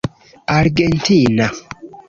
argentina